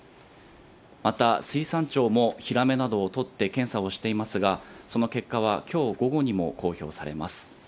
また、水産庁もヒラメなどを取って検査をしていますが、その結果はきょう午後にも公表されます。